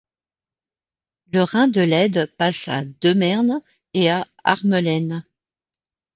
Le Rhin de Leyde passe à De Meern et à Harmelen.